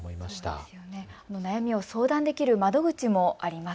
その悩みを相談できる窓口もあります。